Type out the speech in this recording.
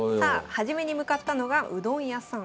初めに向かったのがうどん屋さん。